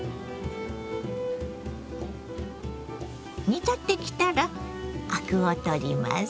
煮立ってきたらアクを取ります。